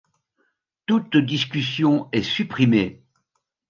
Toute discussion est supprimée.